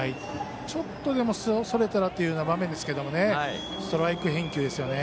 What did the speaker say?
ちょっとでもそれたらという場面ですけどストライク返球ですよね。